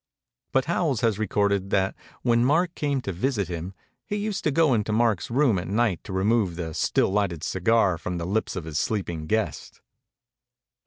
But Howells has recorded that when Mark came to visit him, he used to go into Mark's room at 262 MEMORIES OF MARK TWAIN night to remove the still lighted cigar from the lips of his sleeping guest.